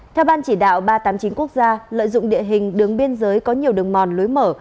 theo ban chỉ đạo ba trăm tám mươi chín quốc gia lợi dụng địa hình đường biên giới có nhiều đường mòn lối mở